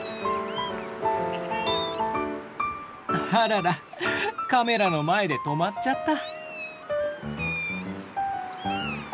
あららカメラの前で止まっちゃった。